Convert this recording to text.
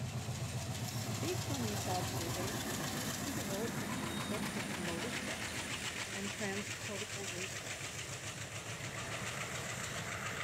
Based on these observations, he developed the concepts of "motor set" and "transcortical reflex".